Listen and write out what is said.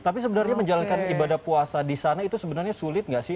tapi sebenarnya menjalankan ibadah puasa di sana itu sebenarnya sulit nggak sih